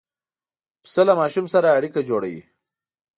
پسه له ماشوم سره اړیکه جوړوي.